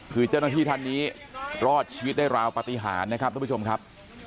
คือเจ้าหน้าที่ท่านนี้รอดชีวิตได้ราวปฏิหารนะครับทุกผู้ชมครับ